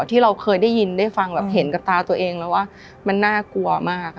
ที่เราเคยได้ยินได้ฟังแบบเห็นกับตาตัวเองแล้วว่ามันน่ากลัวมากค่ะ